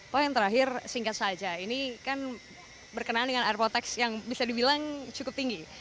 poin terakhir singkat saja ini kan berkenaan dengan airpotex yang bisa dibilang cukup tinggi